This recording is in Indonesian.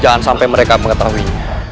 jangan sampai mereka mengetahuinya